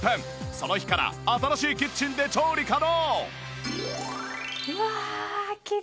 その日から新しいキッチンで調理可能！